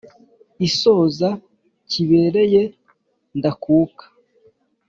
isoza kibereye ndakuka